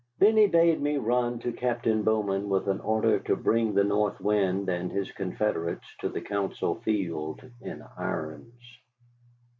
Then he bade me run to Captain Bowman with an order to bring the North Wind and his confederates to the council field in irons.